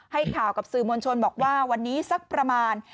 ให้ข่าวกับสื่อมวลชนบอกว่าวันนี้สักประมาณ